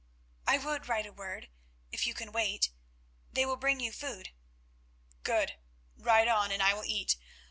"I would write a word, if you can wait. They will bring you food." "Good; write on and I will eat.